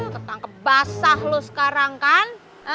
tetang kebasah lu sekarang kan